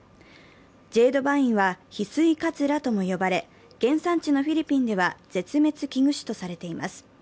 ジェードバインはヒスイカヅラとも呼ばれ原産地のフィリピンでは絶滅危惧種とされています。